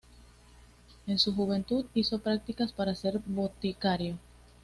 En su juventud hizo practicas para ser boticario.